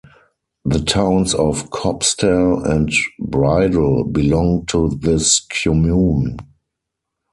The towns of Kopstal and Bridel belong to this commune.